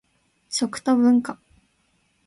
食と文化